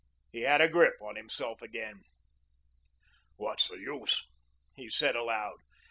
He had a grip on himself again. "What's the use?" he said aloud.